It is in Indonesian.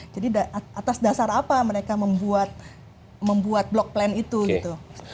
jadi atas dasar apa mereka membuat membuat block plan itu gitu